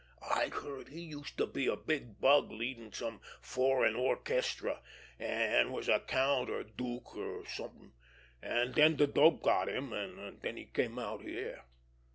I heard he used to be a big bug leadin' some foreign or kestra, an' was a count or dook or something, an' den de dope got him, an' den he came out here.